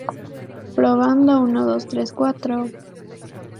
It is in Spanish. Alfredo González Prada se ofreció para buscar editor.